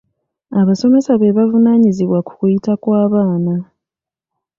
Abasomesa be bavunaanyizibwa ku kuyita kw'abaana.